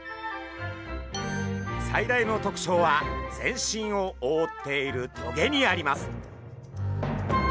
最大の特徴は全身をおおっている棘にあります。